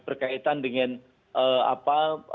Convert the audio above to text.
berkaitan dengan apa